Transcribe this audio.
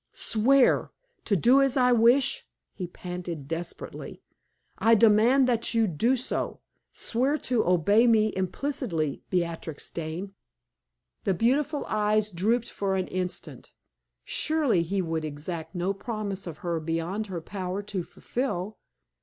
"Swear to do as I wish!" he panted, desperately. "I demand that you do so. Swear to obey me implicitly, Beatrix Dane." The beautiful eyes drooped for an instant. Surely he would exact no promise of her beyond her power to fulfill?